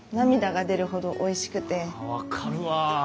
分かるわ。